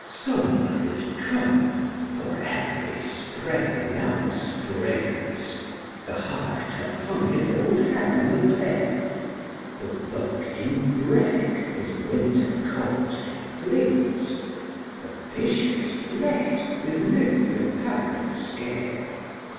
Summer is come, for every spray now springs: 5 The hart hath hung his old head on the pale; The buck in brake his winter coat he flings; The fishes flete with new repairèd scale.